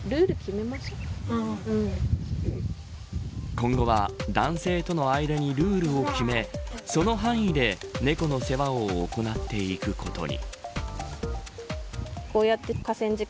今後は男性との間にルールを決めその範囲で猫の世話を行っていくことに。